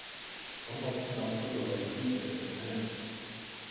ہم اپنے آپ کو روایتی کہتے ہیں۔